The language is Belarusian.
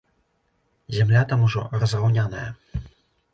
Зямля там ужо разраўняная.